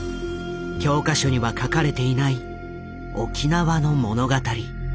教科書には書かれていない沖縄の物語。